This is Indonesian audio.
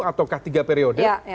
atau ketiga periode